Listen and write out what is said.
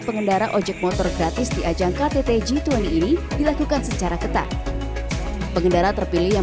pengendara ojek motor gratis di ajang ktt g dua puluh ini dilakukan secara ketat pengendara terpilih yang